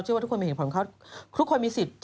โฮโมนพุ่งพ่านเนี่ย